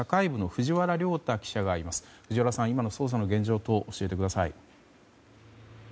藤原さん、今の捜査の現状等教えてください。